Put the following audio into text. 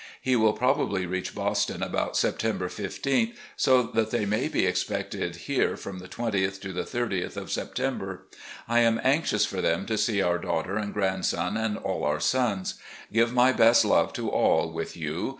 He will probably reach Bos ton about September 15th, so that they may be expected here from the 20th to the 30th of September. I am anxious for them to see our daughter and grandson and all our sons. Give my best love to all with you.